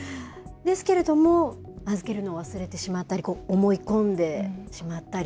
ですけれども、預けるのを忘れてしまったり、思い込んでしまったり。